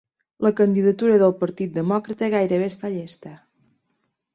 La candidatura del Partit Demòcrata gairebé està llesta